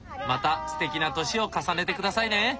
またすてきな年を重ねてくださいね。